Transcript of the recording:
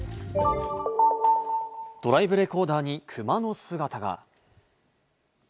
ドライブレコーダーにクマの姿が。